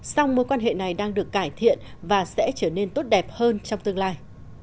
song mối quan hệ này đang được cải thiện và sẽ trở nên tốt đẹp hơn trong tương lai